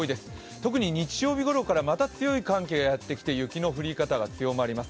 特に日曜日ごろからまた寒気がやってきて雪の降り方が強まります。